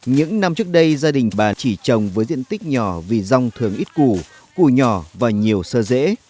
những năm trước đây gia đình bà chỉ trồng với diện tích nhỏ vì rong thường ít củ cù nhỏ và nhiều sơ dễ